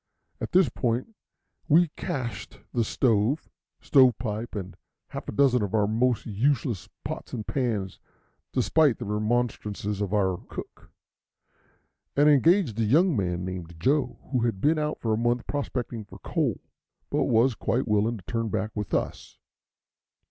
At this point we "cached" the stove, stovepipe, and half a dozen of our most useless pots and pans despite the remonstrances of our cook, and engaged a young man named Joe, who had been out for a month prospecting for coal, but was quite willing to turn back with us.